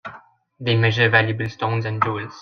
They measure valuable stones and jewels.